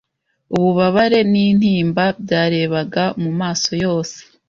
Ububabare nintimba byarebaga mumaso yose